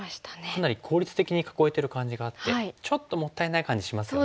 かなり効率的に囲えてる感じがあってちょっともったいない感じしますよね。